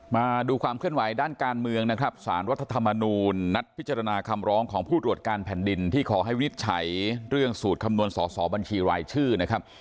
มาดูความเคลื่อนไหวด้านการเมืองนะครับสารรัฐธรรมนูญนัดพิจารณาคำร้องของผู้ตรวจการแผ่นดินที่ขอให้วินิจฉัยเรื่องสูตรคำนวณสอสอบัญชีรายชื่อนะครับ